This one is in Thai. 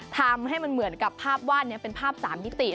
ทำให้มันเหมือนกับภาพวาดนี้เป็นภาพ๓มิติ